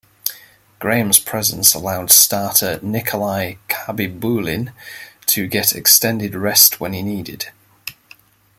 Grahame's presence allowed starter Nikolai Khabibulin to get extended rest when he needed.